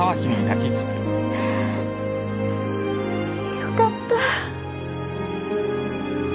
よかった。